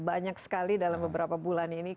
banyak sekali dalam beberapa bulan ini